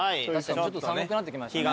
ちょっと寒くなってきましたね。